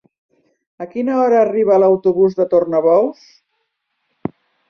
A quina hora arriba l'autobús de Tornabous?